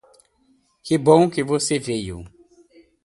Que bom que você veio.